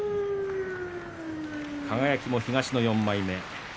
輝も東の４枚目。